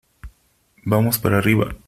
vamos para arriba .